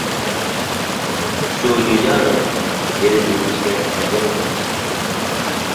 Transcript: — Shu jo‘jami! — dedi ingichka, tajang ovozda.